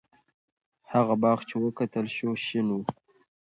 هغه باغ چې وکتل شو، شین و.